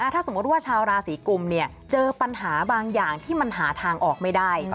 ถ้าสมมุติว่าชาวราศีกุมเจอปัญหาบางอย่างที่มันหาทางออกไม่ได้